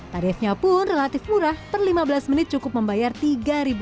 tarifnya pun relatif murah per lima belas menit cukup membayar rp tiga